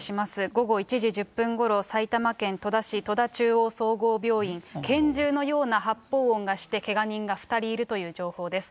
午後１時１０分ごろ、埼玉県戸田市戸田中央総合病院、拳銃のような発砲音がしてけが人が２人いるという情報です。